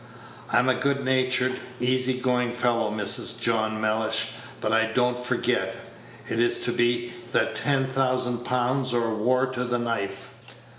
"I'm a good natured, easy going fellow, Mrs. John Mellish, but I don't forget. Is it to be the ten thousand pounds, or war to the knife?"